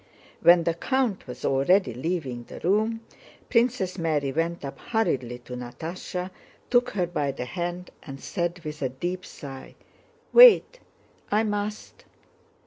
When the count was already leaving the room, Princess Mary went up hurriedly to Natásha, took her by the hand, and said with a deep sigh: "Wait, I must..."